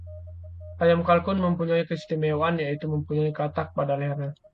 ayam kalkun mempunyai keistimewaan, yaitu mempunyai katak pada lehernya